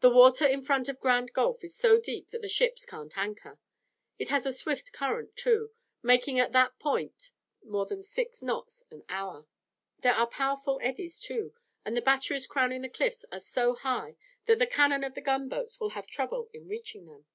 The water in front of Grand Gulf is so deep that the ships can't anchor. It has a swift current, too, making at that point more than six knots an hour. There are powerful eddies, too, and the batteries crowning the cliffs are so high that the cannon of the gunboats will have trouble in reaching them."